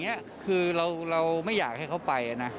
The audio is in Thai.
อันนี้คือเราไม่อยากให้เขาไปนะ